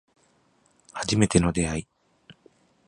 初めての出会い